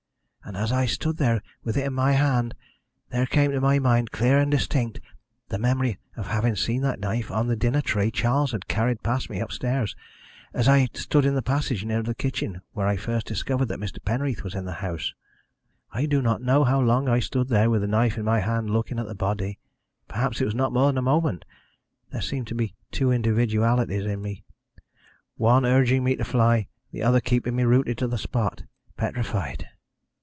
And as I stood there, with it in my hand, there came to my mind, clear and distinct, the memory of having seen that knife on the dinner tray Charles had carried past me upstairs, as I stood in the passage near the kitchen, where I first discovered that Mr. Penreath was in the house. "I do not know how long I stood there, with the knife in my hand, looking at the body perhaps it was not more than a moment. There seemed to be two individualities in me, one urging me to fly, the other keeping me rooted to the spot, petrified.